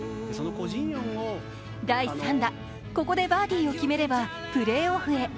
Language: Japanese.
第３打、ここでバーディーを決めればプレーオフへ。